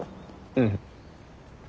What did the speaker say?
うん。